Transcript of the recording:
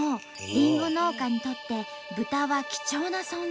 りんご農家にとって豚は貴重な存在。